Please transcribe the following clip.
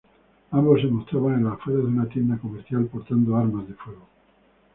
Ambos se mostraban en las afueras de una tienda comercial portando armas de fuego.